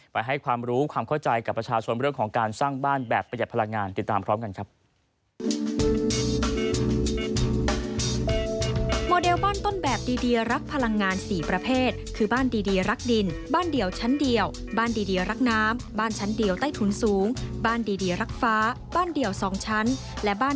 ไปให้ความรู้ความเข้าใจกับประชาชนเรื่องของการสร้างบ้านแบบประหยัดพลังงาน